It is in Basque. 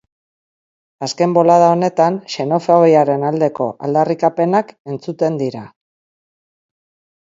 Azken bolada honetan xenofobiaren aldeko aldarrikapenak entzuten dira.